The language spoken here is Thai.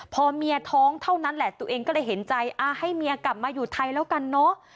พอเมียท้องเท่านั้นแหละตัวเองก็เลยเห็นใจให้เมียกลับมาอยู่ไทยแล้วกันเนอะ